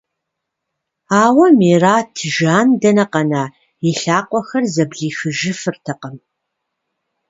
Ауэ Мерэт, жэн дэнэ къэна, и лъакъуэхэр зэблихыжыфыртэкъым.